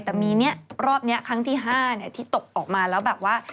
แต่มีรอบนี้ครั้งที่๕ที่ตกออกมาแล้วแบบว่า